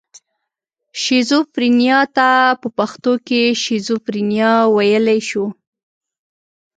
شیزوفرنیا ته په پښتو کې شیزوفرنیا ویلی شو.